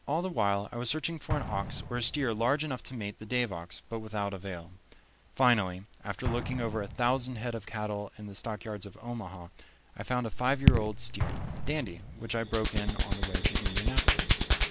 All the while I was searching for an ox or a steer large enough to mate the Dave ox, but without avail. Finally, after looking over a thousand head of cattle in the stockyards of Omaha, I found a five year old steer, Dandy, which I broke in on the way to Indianapolis.